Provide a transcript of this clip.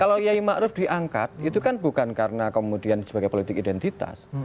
kalau kiai ma'rup diangkat itu kan bukan karena kemudian sebagai politik identitas